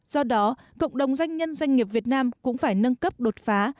do đó cộng đồng doanh nhân doanh nghiệp việt nam cũng phải nâng cấp đột phá